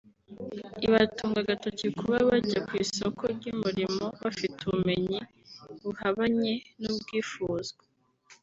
ibatunga agatoki kuba bajya ku isoko ry’umurimo bafite ubumenyi buhabanye n’ubwifuzwa